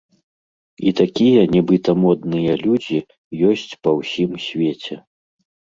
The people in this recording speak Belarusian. І такія нібыта модныя людзі ёсць па ўсім свеце.